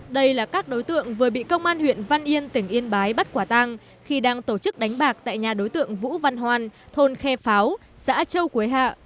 đây là các đối tượng vừa bị công an huyện văn yên tỉnh yên bái bắt quả tang khi đang tổ chức đánh bạc tại nhà đối tượng vũ văn hoan thôn khe pháo xã châu quế hạ